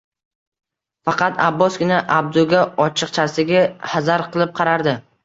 Faqat Abbosgina Abduga ochiqchasiga hazar qilib qarardi